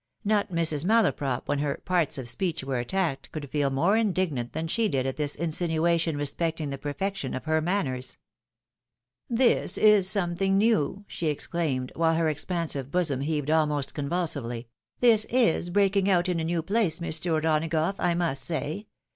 Not Mrs. Malaprop when her " parts of speech " were attacked, could feel more indignant than she did at this insinuation respecting the perfection of her manners. " This is something new !" she exclaimed, while her expan sive bosom heaved almost convulsively; "this is breaking out in a new place, Mr. O'Donagough, I must say.